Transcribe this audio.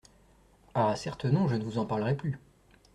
Ah ! certes non, je ne vous en parlerai plus.